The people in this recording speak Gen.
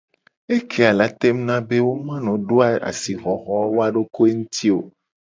Ekeya la tengu na be wo mu la no do asixoxo woa dokoe nguti o.